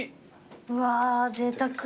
うわーぜいたく。